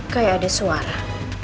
kayak ada suara